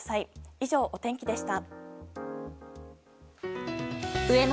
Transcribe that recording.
以上、お天気でした。